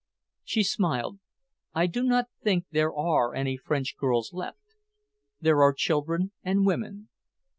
She smiled. "I do not think there are any French girls left. There are children and women.